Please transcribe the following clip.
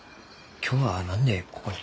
今日は何でここに？